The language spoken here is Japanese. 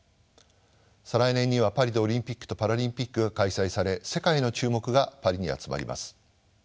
再来年にはパリでオリンピックとパラリンピックが開催され世界の注目がパリに集まります。